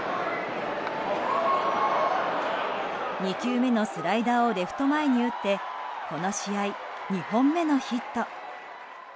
２球目のスライダーをレフト前に打ってこの試合、２本目のヒット。